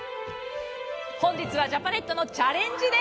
本日はジャパネットのチャレンジデー。